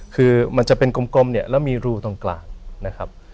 คือมันจะเป็นกลมเนี่ยแล้วมีรูตรงกลางนะครับ